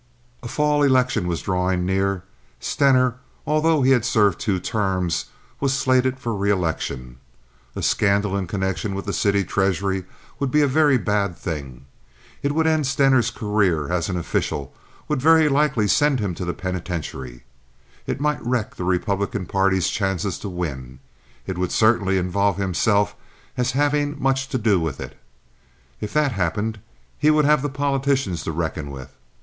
A fall election was drawing near. Stener, although he had served two terms, was slated for reelection. A scandal in connection with the city treasury would be a very bad thing. It would end Stener's career as an official—would very likely send him to the penitentiary. It might wreck the Republican party's chances to win. It would certainly involve himself as having much to do with it. If that happened, he would have the politicians to reckon with.